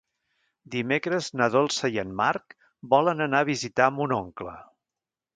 Dimecres na Dolça i en Marc volen anar a visitar mon oncle.